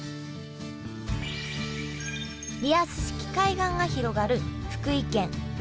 リアス式海岸が広がる福井県若狭地方。